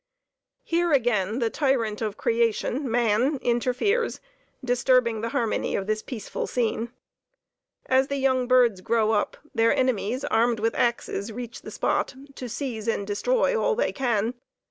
Here again, the tyrant of the creation, man, interferes, disturbing the harmony of this peaceful scene. As the young birds grow up, their enemies armed with axes, reach the spot, to seize and destroy all they can.